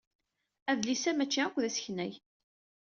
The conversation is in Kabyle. Adlis-a maci akk d asneknay.